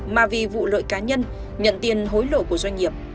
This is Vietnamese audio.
mà vì vụ lợi cá nhân nhận tiền hối lộ của doanh nghiệp